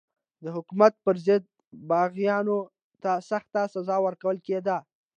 د حکومت پر ضد باغیانو ته سخته سزا ورکول کېده.